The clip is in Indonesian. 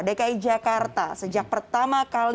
dki jakarta sejak pertama kali